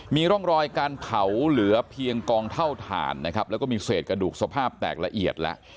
มีร่องรอยการเผาเหลือเพียงกองเท่าฐานนะครับแล้วก็มีเศษกระดูกสภาพแตกละเอียดแล้ว